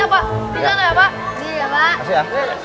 kalian terusin ya